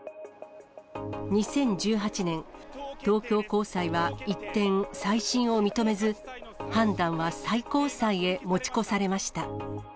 ２０１８年、東京高裁は一転、再審を認めず、判断は最高裁へ持ち越されました。